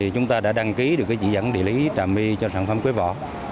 chúng ta đã đăng ký được chỉ dẫn địa lý trả my cho sản phẩm quế vỏ